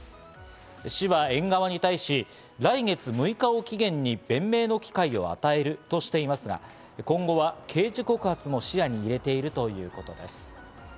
市は園側に対し、来月６日を期限に弁明の機会を与えるとしていますが、今後は刑事告発も視野に入れているということです。